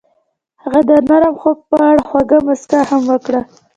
هغې د نرم خوب په اړه خوږه موسکا هم وکړه.